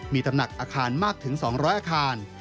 มีตำหนักอาคารมากถึง๒๐๐อาคาร